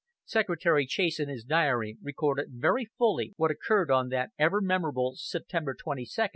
Secretary Chase in his diary recorded very fully what occurred on that ever memorable September 22, 1862.